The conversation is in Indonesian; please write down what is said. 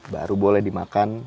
baru boleh dimakan